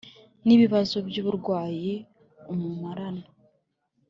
n ibibazo by uburwayi Umunara